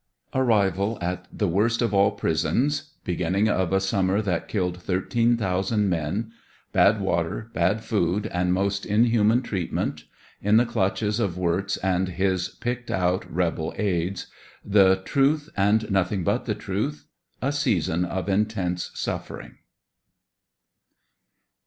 ARRIVAL AT THE WORST OF ALL PRISONS — BEGINNING OF A SUMMER THAT KILLED THIRTEEN THOUSAND MEN — BAD WATER, BAD FOOD, AND MOST INHUMAN TREATMENT — IN THE CLUTCHES OP WIRTZ AND HIS PICKED OUT REBEL AIDS — THE TRUTH AND NOTHING BUT THE TRUTH — A SEASON OF INTENSE SUFFERING.